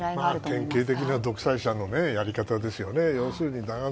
典型的な独裁者のやり方ですよね。